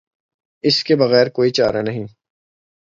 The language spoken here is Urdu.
اس کے بغیر کوئی چارہ نہیں۔